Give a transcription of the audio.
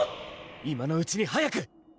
今のうちに早く！